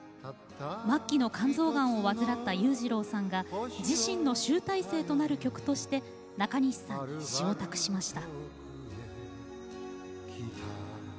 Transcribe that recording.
末期の肝臓がんを患った裕次郎さんが自身の集大成となる曲としてなかにしさんに詞を託しました。